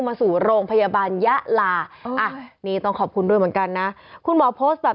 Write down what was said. มาสู่โรงพยาบาลยะลาอ่ะนี่ต้องขอบคุณด้วยเหมือนกันนะคุณหมอโพสต์แบบ